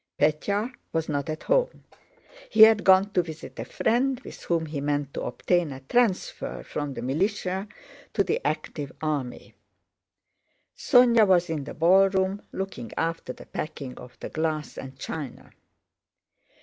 Pétya was not at home, he had gone to visit a friend with whom he meant to obtain a transfer from the militia to the active army. Sónya was in the ballroom looking after the packing of the glass and china.